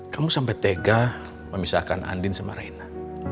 kamu sampai tega memisahkan andin sama raina